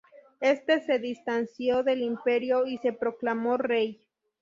Este se distanció del imperio y se proclamó rey.